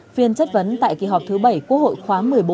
phiên chất vấn tại kỳ họp thứ bảy quốc hội khóa một mươi bốn